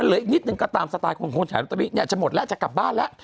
มันเหลืออีกนิดนึงก็ตามสไตล์ของโรตารีจะหมดแล้วจะกลับบ้านแล้ว